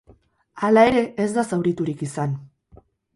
Hala ere, ez da zauriturik izan.